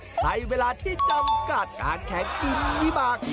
ใช้เวลาที่จำกัดการแข่งข่อนี้แปลก